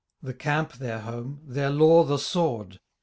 The camp their home, their law the sword.